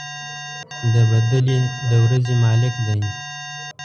د بَدلې د ورځې مالك دی.